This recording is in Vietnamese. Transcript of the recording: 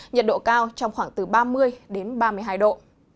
nhiệt độ cao trong khoảng từ ba mươi ba mươi hai độ